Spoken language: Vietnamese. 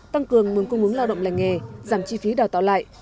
tăng cường nguồn cung ứng lao động lành nghề giảm chi phí đào tạo lại